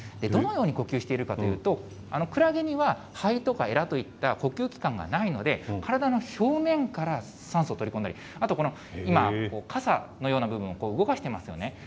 どのように呼吸しているかというと、クラゲには、肺とかえらといった呼吸器官がないので、体の表面から酸素を取り込んだり、あと今、かさのような部分を動かしていますよね。